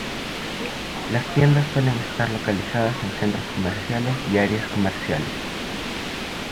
Las tiendas suelen estar localizadas en centros comerciales y áreas comerciales.